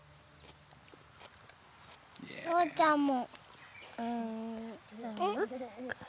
・しょうちゃんも。